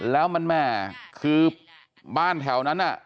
แล้วมันแม่คือบ้านแถวนั้นน่ะ